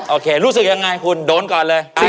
โอเครู้สึกยังไงคุณโดนก่อนเลย